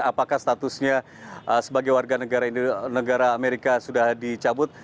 apakah statusnya sebagai warga negara amerika sudah dicabut